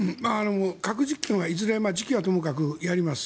核実験はいずれ時期はともかく、やります。